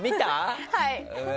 はい。